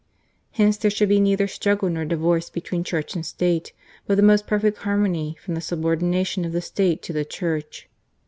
Hence there should be neither struggle nor divorce between Church and State, but the most perfect harmony, from the subordina tion of the State to the Church.